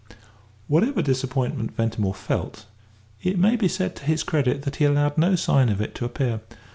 Whatever disappointment Ventimore felt, it may be said to his credit that he allowed no sign of it to appear.